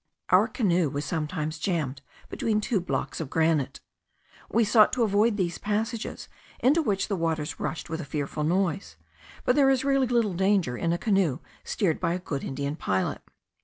Our canoe was sometimes jammed between two blocks of granite. We sought to avoid these passages, into which the waters rushed with a fearful noise; but there is really little danger, in a canoe steered by a good Indian pilot.